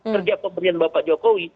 kerja pemberian bapak jokowi